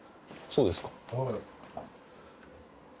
そうですか？